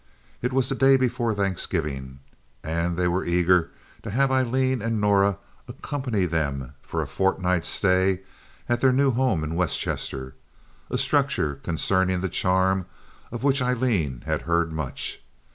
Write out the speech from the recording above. It was the day before Thanksgiving, and they were eager to have Aileen and Norah accompany them for a fortnight's stay at their new home in West Chester—a structure concerning the charm of which Aileen had heard much.